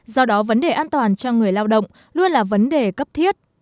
do đó vấn đề an toàn cho người lao động luôn là vấn đề cấp thiết